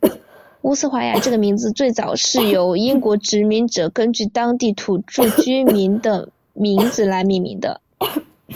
乌斯怀亚这个名字最早是由英国殖民者根据当地土着居民的名字来命名的。